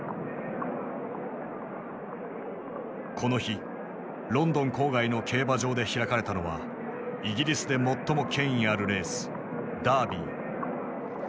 この日ロンドン郊外の競馬場で開かれたのはイギリスで最も権威あるレースダービー。